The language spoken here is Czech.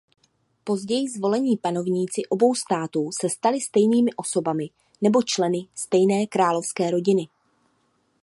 Později zvolení panovníci obou států se stali stejnými osobami nebo členy stejné královské rodiny.